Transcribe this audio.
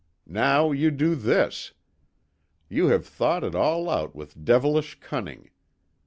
Now you do this. You have thought it all out with devilish cunning.